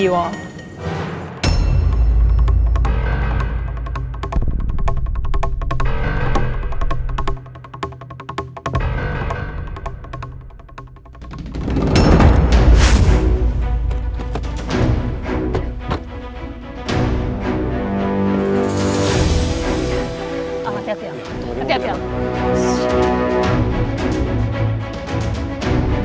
untuk kalian semua